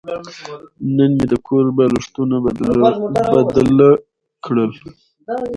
نن مې د کور بالښتونه بدله کړل.